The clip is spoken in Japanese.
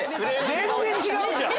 全然違うじゃん！